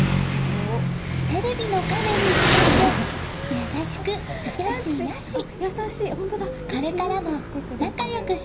テレビの画面に向かって優しく、よしよし。